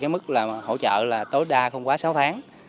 mức hỗ trợ tối đa không quá sáu tháng